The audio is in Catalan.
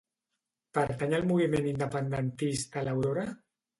Pertany al moviment independentista l'Aurora?